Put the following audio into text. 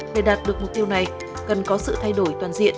để đạt được mục tiêu này cần có sự thay đổi toàn diện